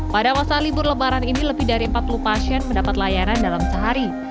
pada masa libur lebaran ini lebih dari empat puluh pasien mendapat layanan dalam sehari